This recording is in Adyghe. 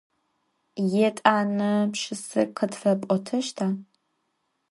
Yêt'ane pşşıse khıtfep'oteşta?